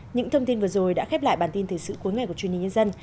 những thông tin vừa rồi đã khép lại bản tin thời sự cuối ngày của chuyên nhìn nhân dân